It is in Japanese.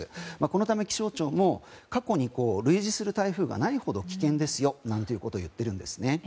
このため気象庁も過去に類似する台風がないほど危険ですよと言っているんですね。